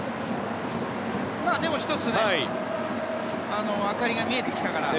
でも１つ明かりが見えてきたから。